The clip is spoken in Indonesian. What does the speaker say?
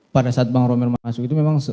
pada saat bang romer masuk itu memang